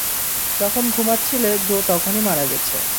যখন ঘুমাচ্ছিলে জো তখনই মারা গেছে!